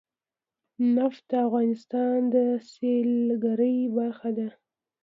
نفت د افغانستان د سیلګرۍ برخه ده.